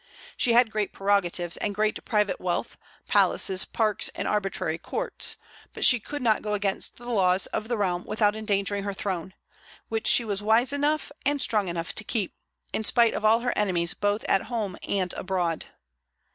She had great prerogatives and great private wealth, palaces, parks, and arbitrary courts; but she could not go against the laws of the realm without endangering her throne, which she was wise enough and strong enough to keep, in spite of all her enemies both at home and abroad.